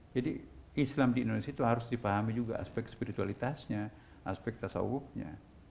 jadi islam di indonesia itu harus dipahami juga aspek spiritualitasnya aspek tasawufnya